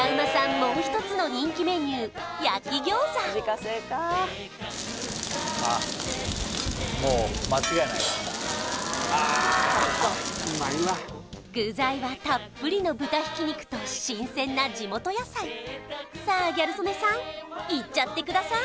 もう一つの人気メニュー具材はたっぷりの豚ひき肉と新鮮な地元野菜さあギャル曽根さんいっちゃってください！